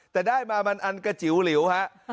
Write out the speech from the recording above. แต่ได้มามันอันกระจิ๋วหลิวฮะ